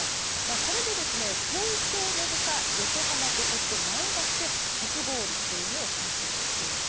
これで、東京の他横浜と前橋で初氷を観測しています。